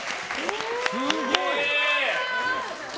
すごい！